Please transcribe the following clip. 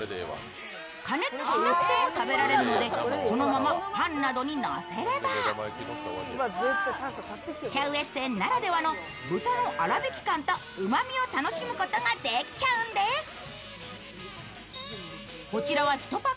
加熱しなくても食べられるのでそのままパンなどにのせればシャウエッセンならではの豚の粗びき感とうまみを楽しむことができちゃうんです。